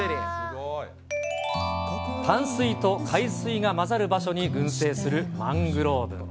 淡水と海水が混ざる場所に群生するマングローブ。